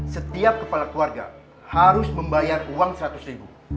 setiap kepala keluarga harus membayar uang seratus ribu